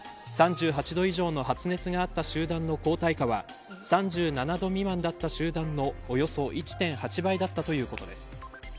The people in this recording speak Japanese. ３８度以上の発熱があった集団の抗体価は３７度未満だった集団のおよそ１．８倍だったということです。